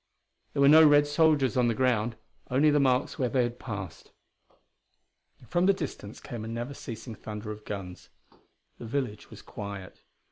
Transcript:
There were no Red soldiers on the ground only the marks where they had passed. From the distance came a never ceasing thunder of guns. The village was quiet.